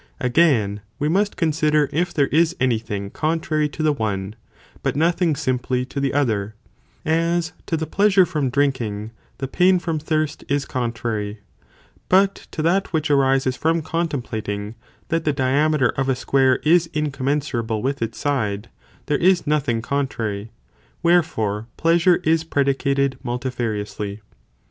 Again, we must consider if there is any thing 4 contrary to contrary to the one, but nothing simply to the sither, to be other ; as, to the pleasure from drinking, the pain °°" from thirst is contrary; but to that which arises from con templating, that the diameter of a square is incommensurable with its side, there is nothing (contrary), wherefore pleasure is predicated multifariously.